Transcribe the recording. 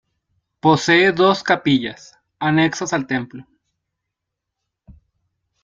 Posee dos capillas, anexas al templo.